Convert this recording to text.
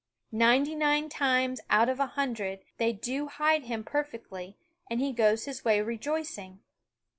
Ninety nine times out of a hundred they do hide him perfectly, and he goes his way rejoicing.